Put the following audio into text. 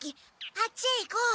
あっちへ行こう。